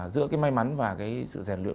giữa cái may mắn và cái sự rèn luyện